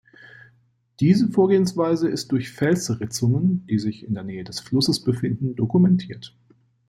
Diese Vorgehensweise ist durch Felsritzungen, die sich in der Nähe des Flusses befinden, dokumentiert.